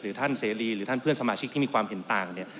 ท่านเสรีหรือท่านเพื่อนสมาชิกที่มีความเห็นต่างเนี่ย